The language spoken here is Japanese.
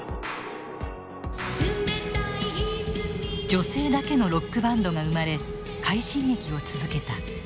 女性だけのロックバンドが生まれ快進撃を続けた。